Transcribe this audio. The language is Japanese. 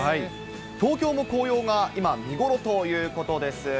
東京も紅葉が今、見頃ということです。